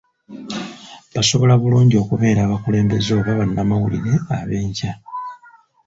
Basobola bulungi okubeera abakulembeze oba bannamawulire ab'enkya.